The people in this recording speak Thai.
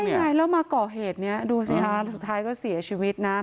ใช่ไงแล้วมาก่อเหตุนี้ดูสิคะสุดท้ายก็เสียชีวิตนะ